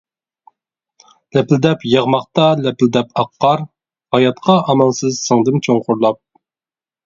لەپىلدەپ ياغماقتا لەپىلدەپ ئاق قار، ھاياتقا ئامالسىز سىڭدىم چوڭقۇرلاپ.